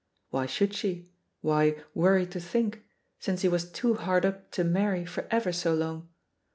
Why should she, why "worry to think," since he was too hard up to marry for ever so long?